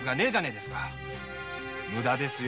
無駄ですよ！